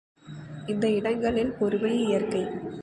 இந்த இடங்களில் பொறுமை இயற்கை.